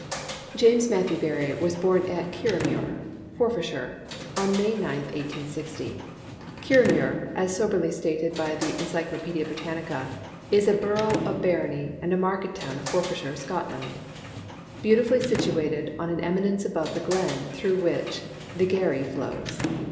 Jamks Matthew Barrie was bom at Kirriemuir, Forfarshire, on May 9, i860. Kirriemuir, as soberly stated by the Encyclopadia Britannica^ is a " borough of barony and a market town of Forfarshire, Scotland, beautifully situated on an eminence above the glen through which the Gairie flows.